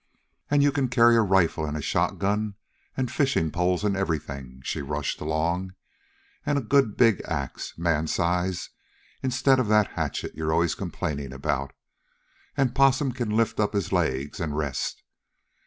"And you can carry a rifle and shotgun and fishing poles and everything," she rushed along. "And a good big axe, man size, instead of that hatchet you're always complaining about. And Possum can lift up his legs and rest.